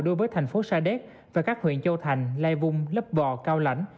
đối với thành phố sa đéc và các huyện châu thành lai vung lấp bò cao lãnh